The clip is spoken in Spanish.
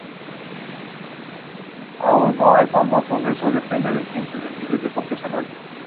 Hasan no puede soportar lo sucedido y se suicida en la misma joyería.